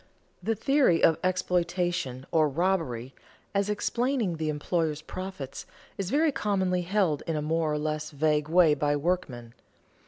The theory of exploitation, or robbery, as explaining the employer's profits, is very commonly held in a more or less vague way by workmen.